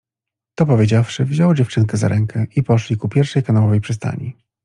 To powiedziawszy wziął dziewczynkę za ręke i poszli ku pierwszej kanałowej przystani.